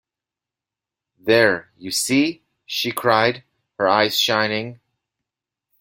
“There, you see!” she cried, her eyes shining.